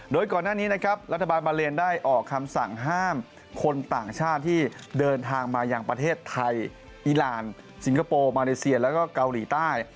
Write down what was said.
โดยก่อนหน้านี้นะครับรัฐบาลบาเลนได้ออกคำสั่งห้ามคนต่างชาติที่เดินทางมายังประเทศไทยอีรานสิงคโปร์มาเลเซียแล้วก็เกาหลีใต้